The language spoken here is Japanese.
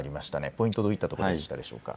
ポイント、どういったところでしたでしょうか。